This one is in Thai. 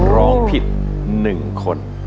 ร้องผิด๑คน